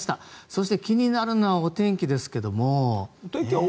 そして気になるのはお天気ですけど。